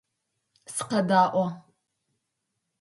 Сыкъэдаӏо!